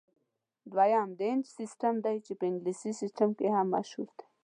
دویم د انچ سیسټم دی چې په انګلیسي سیسټم هم مشهور دی.